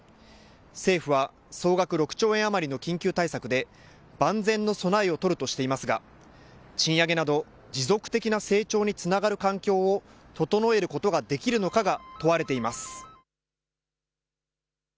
政府は総額６兆円余りの緊急対策で万全の備えを取るとしていますが賃上げなど持続的な成長につながる環境を整えることができるのかが問われています。